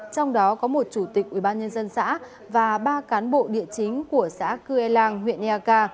trong đó có một chủ tịch ubnd xã và ba cán bộ địa chính của xã cư e lang huyện eak